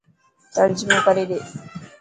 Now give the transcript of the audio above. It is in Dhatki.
ترجمو ڪري ڏي.